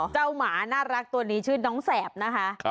หมาน่ารักตัวนี้ชื่อน้องแสบนะคะ